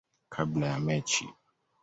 kabla ya mechi.